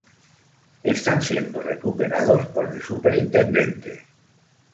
Están siendo recuperados por el Superintendente.